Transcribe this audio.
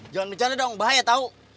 jangan bicara dong bahaya tahu